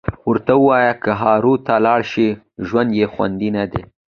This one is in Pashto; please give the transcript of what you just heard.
ورته ووایه که هارو ته لاړ شي ژوند یې خوندي ندی